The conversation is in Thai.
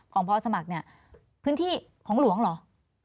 พอสมัครเนี่ยพื้นที่ของหลวงเหรอ